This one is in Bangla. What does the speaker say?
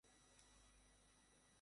কাম অন, নিও!